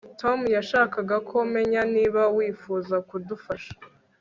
Tom yashakaga ko menya niba wifuza kudufasha